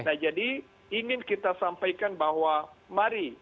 nah jadi ingin kita sampaikan bahwa mari